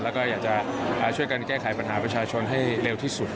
แล้วก็อยากจะช่วยกันแก้ไขปัญหาประชาชนให้เร็วที่สุด